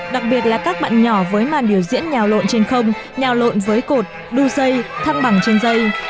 đặc biệt là các bạn nhỏ với màn biểu diễn nhào lộn trên không nhào lộn với cột đu dây thăng bằng trên dây